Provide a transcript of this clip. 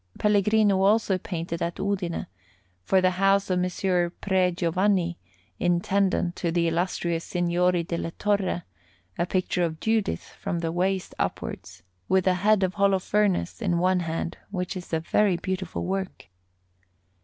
Pellegrino also painted at Udine, for the house of Messer Pre Giovanni, intendant to the illustrious Signori della Torre, a picture of Judith from the waist upwards, with the head of Holofernes in one hand, which is a very beautiful work.